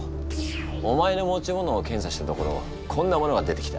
お前の持ち物を検査したところこんなものが出てきた。